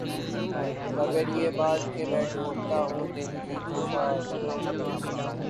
مگر یہ بات کہ میں ڈھونڈتا ہوں دل کی کشاد